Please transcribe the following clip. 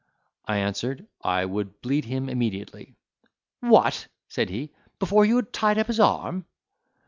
I answered, "I would bleed him immediately." "What!" said he, "before you had tied up his arm?"